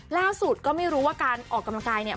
ล่าสุดก็ไม่รู้ว่าการออกกำลังกายเนี่ย